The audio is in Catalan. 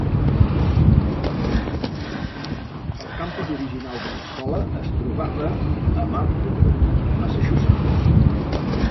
El campus original de l'escola es trobava a Marlborough, Massachusetts.